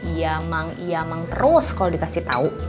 iya mang iya mang terus kalau dikasih tahu